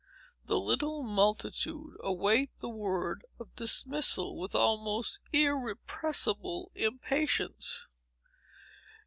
The little multitude await the word of dismissal, with almost irrepressible impatience.